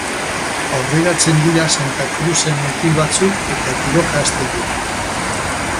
Aurreratzen dira Santa Kruzen mutil batzuk eta tiroka hasten dira.